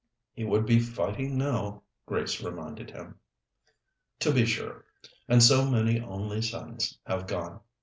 "He would be fighting now," Grace reminded him. "To be sure, and so many only sons have gone.